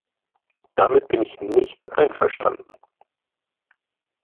Damit bin ich nicht einverstanden.